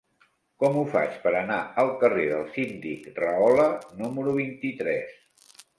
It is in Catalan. Com ho faig per anar al carrer del Síndic Rahola número vint-i-tres?